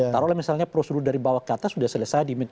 taruhlah misalnya prosedur dari bawah ke atas sudah selesai